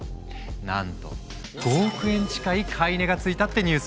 なんと５億円近い買い値がついたってニュースも！